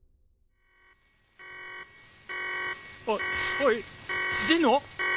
おおい神野！？